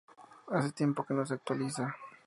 Hace tiempo que no se actualiza.